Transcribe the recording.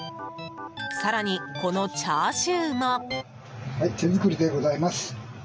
更に、このチャーシューも。